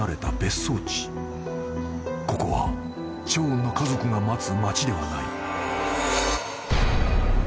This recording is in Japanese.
［ここはショーンの家族が待つ町ではない］